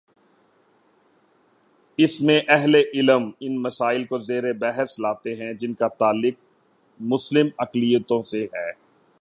اس میں اہل علم ان مسائل کو زیر بحث لاتے ہیں جن کا تعلق مسلم اقلیتوں سے ہے۔